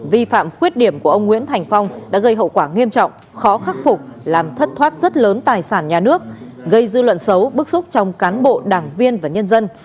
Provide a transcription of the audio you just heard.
vi phạm khuyết điểm của ông nguyễn thành phong đã gây hậu quả nghiêm trọng khó khắc phục làm thất thoát rất lớn tài sản nhà nước gây dư luận xấu bức xúc trong cán bộ đảng viên và nhân dân